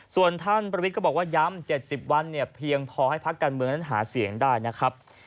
ส่วนท่านประวิทย์ก็บอกว่าย้ำ๗๐วันเนี่ยเพียงพอให้พักการเมืองนั้นหาเสียงได้นะครับ